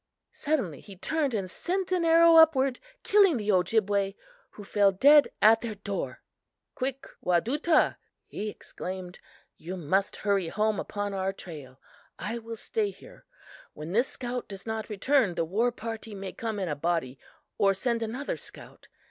Suddenly he turned and sent an arrow upward, killing the Ojibway, who fell dead at their door. "'Quick, Wadutah!' he exclaimed; 'you must hurry home upon our trail. I will stay here. When this scout does not return, the warparty may come in a body or send another scout.